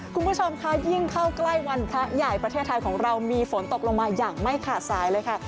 คุณผู้ชมค่ะยิ่งเข้าใกล้วันพระใหญ่ประเทศไทยของเรามีฝนตกลงมาอย่างไม่ขาดสายเลยค่ะ